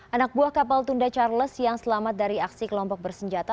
anak buah kapal tunda charles yang selamat dari aksi kelompok bersenjata